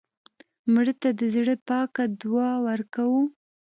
مړه ته د زړه پاکه دعا ورکوو